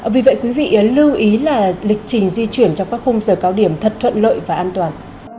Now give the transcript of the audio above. vì vậy quý vị lưu ý là lịch trình di chuyển trong các khung giờ cao điểm thật thuận lợi và an toàn